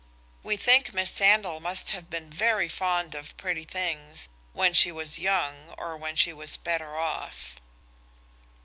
We think Miss Sandal must have been very fond of pretty things when she was young or when she was better off.